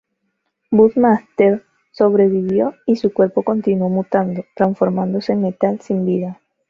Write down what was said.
Bushmaster sobrevivió y su cuerpo continuó mutando, transformándose en metal sin vida.